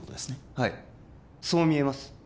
はいそう見えます